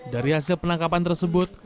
dari hasil penangkapan tersebut